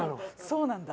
そうなんだ。